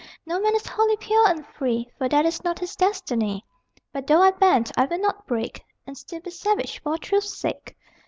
No man is wholly pure and free, For that is not his destiny, But though I bend, I will not break: And still be savage, for Truth's sake.